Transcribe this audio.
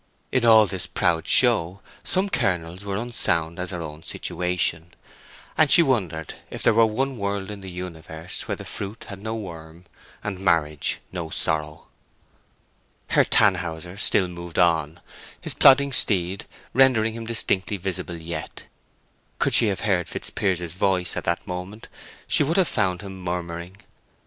In all this proud show some kernels were unsound as her own situation, and she wondered if there were one world in the universe where the fruit had no worm, and marriage no sorrow. Herr Tannhäuser still moved on, his plodding steed rendering him distinctly visible yet. Could she have heard Fitzpiers's voice at that moment she would have found him murmuring—